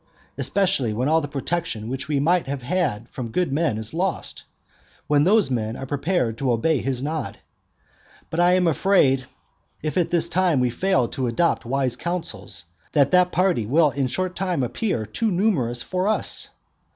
especially when all the protection which we might have had from good men is lost, and when those men are prepared to obey his nod? But I am afraid, if at this time we fail to adopt wise counsels, that that party will in a short time appear too numerous for us.